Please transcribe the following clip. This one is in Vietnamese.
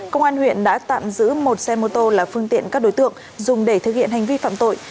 công an huyện đã tạm giữ một xe mô tô là phương tiện các đối tượng dùng để thực hiện hành vi phạm tội